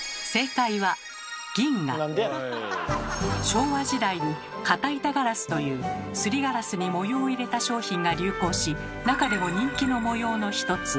昭和時代に「型板ガラス」というすりガラスに模様を入れた商品が流行しなかでも人気の模様の一つ。